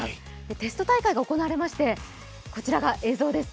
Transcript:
テスト大会が行われまして、こちらが映像です。